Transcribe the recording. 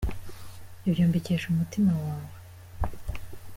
Ibyo mbikesha umutima wawe